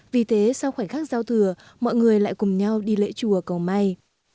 vì thế sau khoảnh khắc giao thừa mọi người lại cùng nhau đi lễ chùa cầu may